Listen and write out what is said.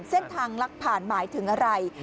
เส้นทางลักผ่านหมายถึงอะไร